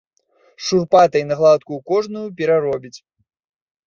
З шурпатай на гладкую кожную пераробіць.